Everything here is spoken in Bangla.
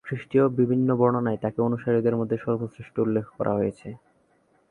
খ্রিষ্টীয় বিভিন্ন বর্ণনায় তাঁকে অনুসারীদের মধ্যে সর্বশ্রেষ্ঠ উল্লেখ করা হয়েছে।